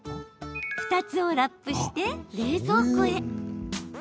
２つをラップして冷蔵庫へ。